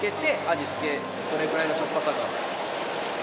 どれくらいのしょっぱさか。